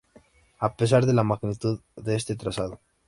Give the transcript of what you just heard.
A pesar de la magnitud de este trazado